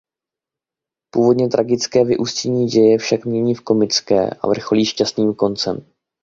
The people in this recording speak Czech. Původně tragické vyústění děje však mění v komické a vrcholí šťastným koncem.